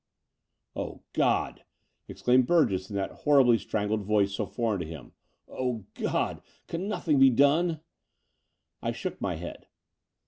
"Oh, God," exclaimed Burgess in that horribly strangled voice so foreign to him, "oh, God, can nothing be done?" I shook my head.